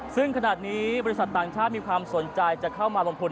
ซึ่งขนาดนี้บริษัทต่างชาติมีความสนใจจะเข้ามาลงทุน